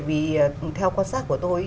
vì theo quan sát của tôi